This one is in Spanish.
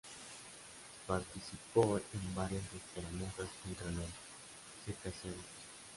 Participó en varias escaramuzas contra los circasianos.